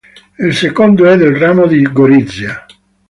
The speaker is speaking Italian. Il secondo è del ramo di Gorizia.